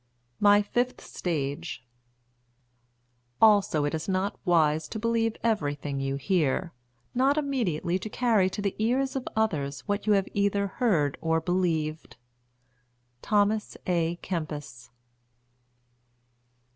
MY FIFTH STAGE Also it is wise not to believe everything you hear, not immediately to carry to the ears of others what you have either heard or believed. THOMAS A KEMPIS.